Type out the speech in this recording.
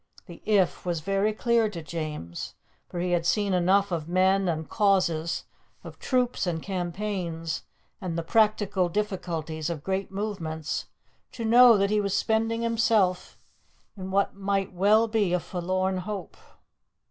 The "if" was very clear to James, for he had seen enough of men and causes, of troops and campaigns and the practical difficulties of great movements, to know that he was spending himself in what might well be a forlorn hope.